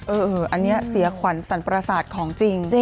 เอออันนี้เสียขวัญสรรพรศาสตร์ของจริง